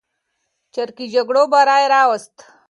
چریکي جګړو بری راوست.